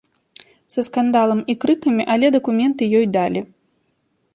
Са скандалам і крыкамі, але дакументы ёй далі.